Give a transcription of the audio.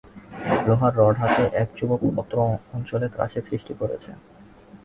লোহার রড হাতে এক যুবক অত্র অঞ্চলে ত্রাসের সৃষ্টি করেছে।